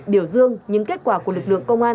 biểu dương những kết quả của lực lượng công an